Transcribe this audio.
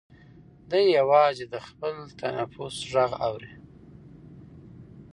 دی یوازې د خپل تنفس غږ اوري.